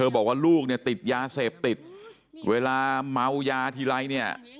บอกว่าลูกเนี่ยติดยาเสพติดเวลาเมายาทีไรเนี่ย